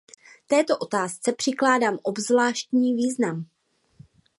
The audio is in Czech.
Této otázce přikládám obzvláštní význam.